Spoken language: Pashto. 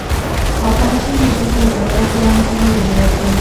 افغانستان د ژبو له پلوه خورا متنوع هېواد دی.